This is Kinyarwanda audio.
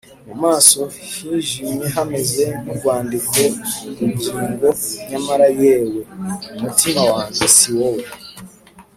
mu maso hijimye hameze nk'urwandiko-rugingo, nyamara - yewe! umutima wanjye - si wowe!